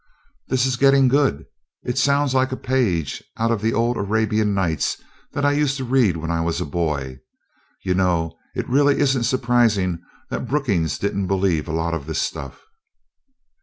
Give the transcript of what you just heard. "This is getting good. It sounds like a page of the old 'Arabian Nights' that I used to read when I was a boy. You know, it really isn't surprising that Brookings didn't believe a lot of this stuff."